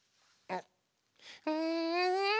うん！